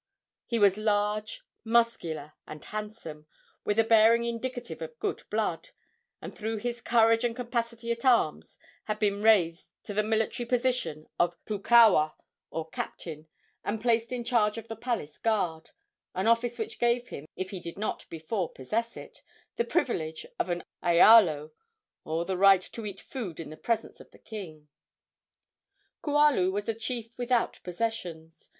He was large, muscular and handsome, with a bearing indicative of good blood, and through his courage and capacity at arms had been raised to the military position of pukaua, or captain, and placed in charge of the palace guard an office which gave him, if he did not before possess it, the privilege of an aialo, or the right to eat food in the presence of the king. Kualu was a chief without possessions.